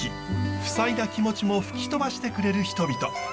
ふさいだ気持ちも吹き飛ばしてくれる人々。